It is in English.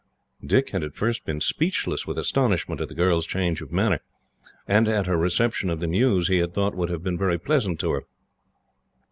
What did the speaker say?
Dick had at first been speechless with astonishment at the girl's change of manner, and at her reception of the news he had thought would have been very pleasant to her.